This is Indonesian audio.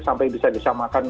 sampai bisa disamakan